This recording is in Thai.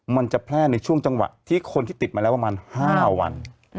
มันจะแพร่ในช่วงจังหวะที่คนที่ติดมาแล้วประมาณ๕วัน